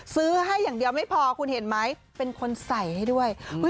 ซื้อให้อย่างเดียวไม่พอคุณเห็นไหมเป็นคนใส่ให้ด้วย